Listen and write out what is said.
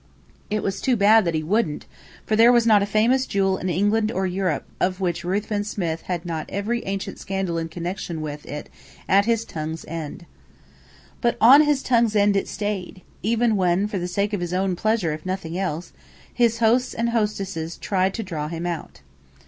It was too bad that he wouldn't, for there was not a famous jewel in England or Europe of which Ruthven Smith had not every ancient scandal in connection with it at his tongue's end. But on his tongue's end it stayed, even when, for the sake of his own pleasure if nothing else, his hosts and hostesses tried to draw him out.